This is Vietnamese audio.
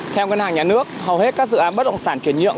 theo ngân hàng nhà nước hầu hết các dự án bất động sản chuyển nhượng